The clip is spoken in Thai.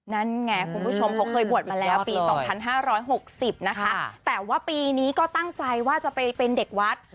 นั่นไงคุณผู้ชมเขาเคยบวชมาแล้วปี๒๕๖๐นะคะแต่ว่าปีนี้ก็ตั้งใจว่าจะไปเป็นเด็กวัด